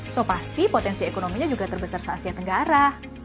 so pasti potensi ekonominya juga terbesar se asia tenggara